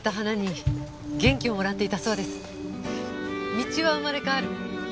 道は生まれ変わる。